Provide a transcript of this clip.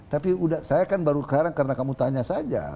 tapi saya kan baru sekarang karena kamu tanya saja